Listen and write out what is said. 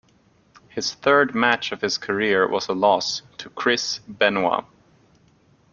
His third match of his career was a loss to Chris Benoit.